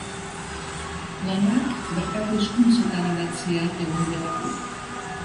Lanak bertako hizkuntzetan idatzia egon behar du.